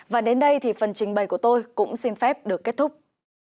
và đến đây thì phần trình bày của tôi cũng xin phép được kết thúc